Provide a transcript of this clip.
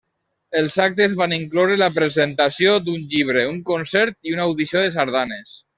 Els actes van incloure la presentació d'un llibre, un concert i una audició de sardanes.